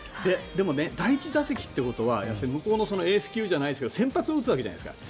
でも第１打席ということは要するに向こうのエース級の選手が先発を打つわけじゃないですか。